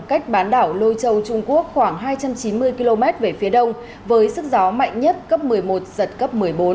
cách bán đảo lôi châu trung quốc khoảng hai trăm chín mươi km về phía đông với sức gió mạnh nhất cấp một mươi một giật cấp một mươi bốn